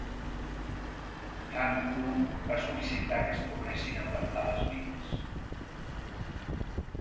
Khan Krum va sol·licitar que es tornessin a plantar les vinyes.